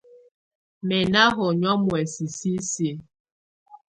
Mɛ́ ná hɔnyɔ̀á muɛsɛ sisiǝ.